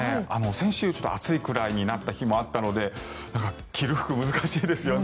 先週、ちょっと暑いくらいになった日もあったので着る服、難しいですよね。